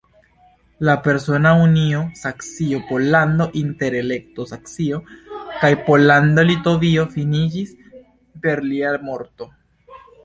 La persona unio Saksio-Pollando inter Elekto-Saksio kaj Pollando-Litovio finiĝis per lia morto.